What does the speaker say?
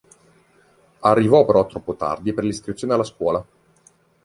Arrivò però troppo tardi per l'iscrizione alla scuola.